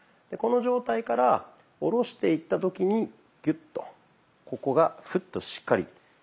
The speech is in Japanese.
この状態から下ろしていった時にギュッとここがフッとしっかり。